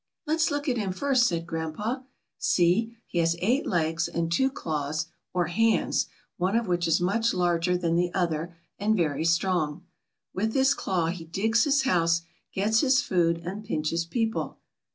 "Let's look at him first," said grandpa. "See, he has eight legs and two claws or hands, one of which is much larger than the other and very strong. With this claw he digs his house, gets his food, and pinches people."